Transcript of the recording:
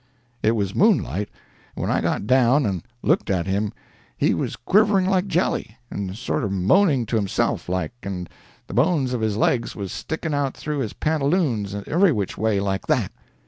It was moonlight, and when I got down and looked at him he was quivering like jelly, and sorter moaning to himself, like, and the bones of his legs was sticking out through his pantaloons every which way, like that."